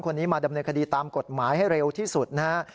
คนนี้มาดำเนินคดีตามกฎหมายให้เร็วที่สุดนะฮะ